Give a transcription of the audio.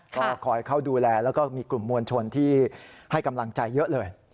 ก็คอยเข้าดูแลแล้วก็มีกลุ่มมวลชนที่ให้กำลังใจเยอะเลย